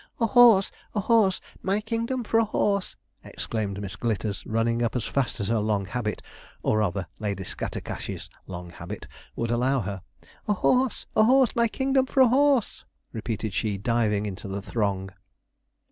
"A horse! a horse! my kingdom for a horse!" exclaimed Miss Glitters, running up as fast as her long habit, or rather Lady Scattercash's long habit, would allow her. "A horse! a horse! my kingdom for a horse!" repeated she, diving into the throng.